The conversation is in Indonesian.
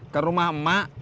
ke rumah emak